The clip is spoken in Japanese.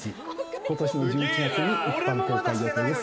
今年１１月に一般公開予定です。